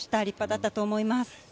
立派だったと思います。